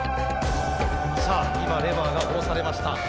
さあ今レバーが下ろされました。